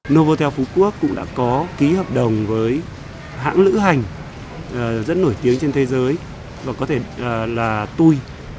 novotel phú quốc cũng đã có ký hợp đồng với hãng lữ hành rất nổi tiếng trên thế giới và có thể là tui